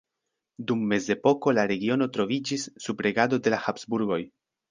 Dum mezepoko la regiono troviĝis sub regado de la Habsburgoj.